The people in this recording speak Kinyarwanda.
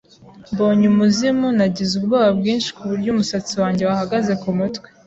Mbonye umuzimu, nagize ubwoba bwinshi kuburyo umusatsi wanjye wahagaze kumutwe.